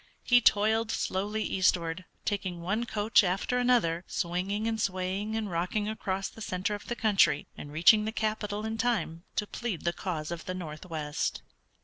He toiled slowly eastward, taking one coach after another, swinging and swaying and rocking across the center of the country, and reaching the capital in time to plead the cause of the northwest.